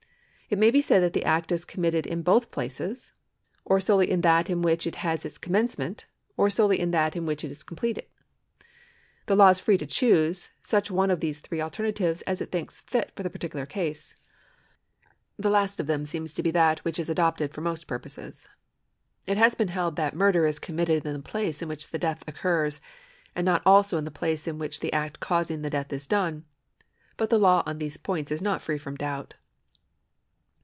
It may be said that the act is committed in both places, or solely in that in which it has its commencement, or solely in that in which it is completed. The law is free to choose such one of these three alternatives as it thinks fit in the particular case. The last of them seems to be that which is adopted for most purposes. It has been held that murder is committed in the place in which the death occurs.^ and not also in the place in which the act causing the death is done, ^ but the law on these points is not free from doubt.